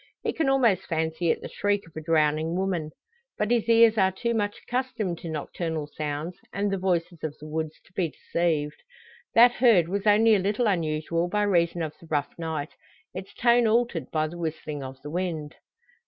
He can almost fancy it the shriek of a drowning woman. But his ears are too much accustomed to nocturnal sounds, and the voices of the woods, to be deceived. That heard was only a little unusual by reason of the rough night its tone altered by the whistling of the wind.